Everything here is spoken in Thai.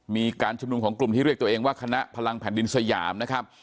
มีการชุมนุมของกลุ่มที่เรียกตัวเองว่าคณะพลังแผ่นดินสยามนะครับ